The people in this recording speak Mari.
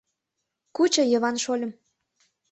Кучо, Йыван шольым!